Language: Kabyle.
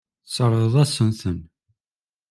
Tesseṛɣeḍ-asen-ten.